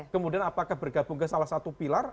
kemudian apakah bergabung ke salah satu pilar